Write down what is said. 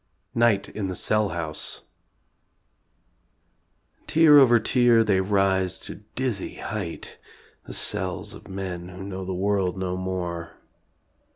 NIGHT IN THE CELL HOUSE Tier over tier they rise to dizzy height The cells of men who know the world no more.